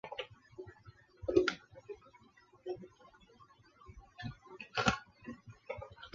皇佑四年辞官归荆南。